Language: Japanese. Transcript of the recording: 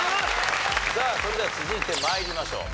さあそれでは続いて参りましょう。